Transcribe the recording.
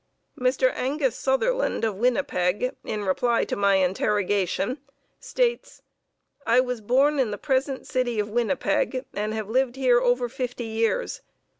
Mr. Angus Sutherland of Winnipeg, in reply to my interrogation, states: "I was born in the present city of Winnipeg and have lived here over fifty years.